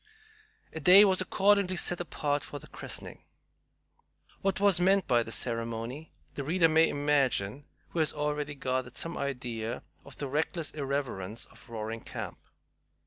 A day was accordingly set apart for the christening. What was meant by this ceremony the reader may imagine who has already gathered some idea of the reckless irreverence of Roaring Camp.